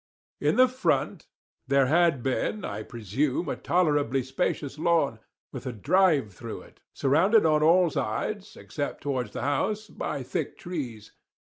In the front there had been, I presume, a tolerably spacious lawn, with a drive through it, surrounded on all sides, except towards the house, by thick trees.